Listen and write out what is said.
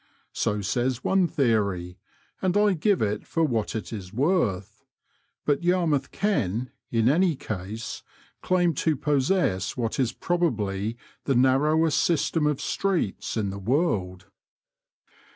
So says one theory, and I give it for what it is worth ; but Yarmouth can, in any case, claim to possess what is probably the narrowest system of streets in the world.